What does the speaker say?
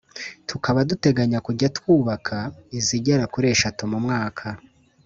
tukaba duteganya kujya twubaka izigera kuri eshatu mu mwaka